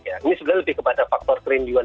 ini sebenarnya lebih kepada faktor kerinduan